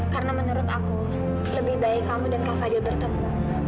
karena menurut aku lebih baik kamu dan kak fadil bertemu